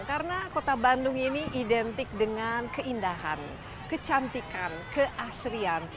karena kota bandung ini identik dengan keindahan kecantikan keasrian